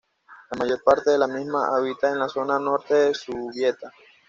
La mayor parte de la misma habita en la zona norte de Zubieta.